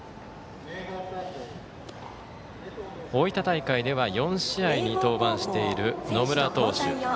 大分大会では４試合に登板している野村投手。